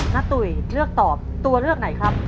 ตุ๋ยเลือกตอบตัวเลือกไหนครับ